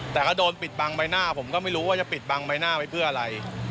แต่ก็โดนปิดบังใบหน้าผมก็ไม่รู้ว่าจะปิดบังใบหน้าไว้เพื่ออะไร